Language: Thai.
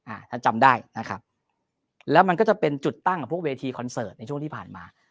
อ่าถ้าจำได้นะครับแล้วมันก็จะเป็นจุดตั้งของพวกเวทีคอนเสิร์ตในช่วงที่ผ่านมา